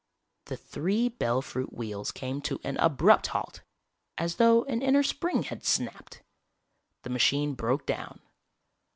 The three Bell Fruit wheels came to an abrupt halt, as though an inner spring had snapped. The machine broke down.